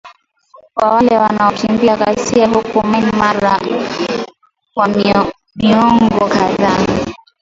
kwa wale wanaokimbia ghasia huko Myanmar kwa miongo kadhaa